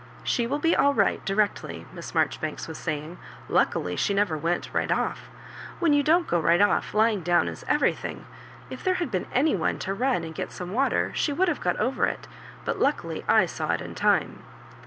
" She will be. all right directly," Miss Marjori banks was faying; "luckily she never went right off. When you don't go right off, lying down is everything. If there had bean any one to run and get some water she would have got over it ; but luckily I sa^ it in time."